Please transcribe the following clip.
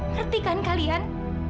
ngerti kan kalian